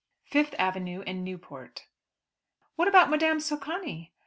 FIFTH AVENUE AND NEWPORT. "What about Madame Socani?"